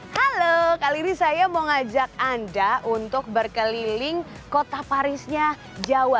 halo kali ini saya mau ngajak anda untuk berkeliling kota parisnya jawa